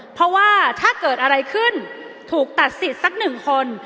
เพราะว่าถ้าเกิดอะไรขึ้นถูกตัดสิทธิ์สักหนึ่งคน